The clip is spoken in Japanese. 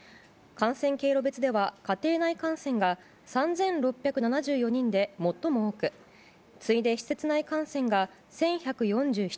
感染経路別では家庭内感染が３６７４人で最も多く次いで施設内感染が１１４７人。